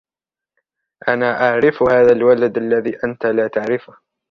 أنا أعرف هذا الولد الذي أنت لا تعرفه